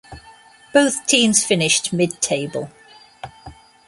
Both teams finished mid table.